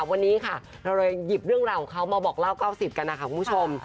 วันนี้เราเลยหยิบเรื่องราวของเขามาบอกเล่าเก้าสิบกันค่ะคุณผู้ชม